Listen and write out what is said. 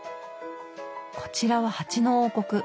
こちらは蜂の王国。